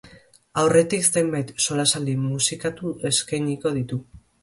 Aurretik, zenbait solasaldi musikatu eskainiko ditu.